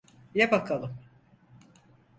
Ye bakalım.